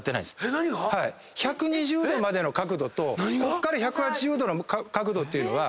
１２０度までの角度とこっから１８０度の角度っていうのは。